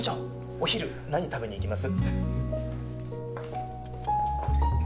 お昼何食べに行きます？